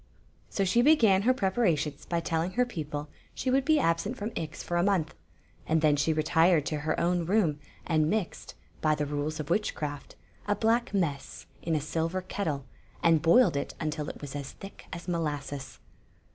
So she began her preparations by telling her peo ple she would be absent from Ix for a month, and then she retired to her own room and mixed, by the rules of witchcraft, a black mess in a silver ketde, and boiled it until it was as thick as molasses.